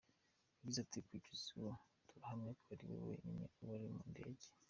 Yagize ati: "Kugeza ubu, turahamya ko ari we wenyine wari mu ndege.